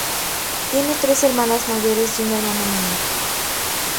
Tiene tres hermanas mayores y un hermano menor.